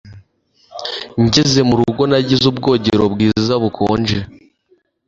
Ngeze murugo, nagize ubwogero bwiza, bukonje.